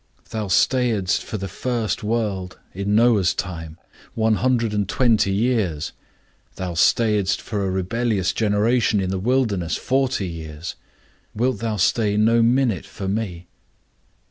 Thou stayedst for the first world, in Noah's time, one hundred and twenty years; thou stayedst for a rebellious generation in the wilderness forty years, wilt thou stay no minute for me?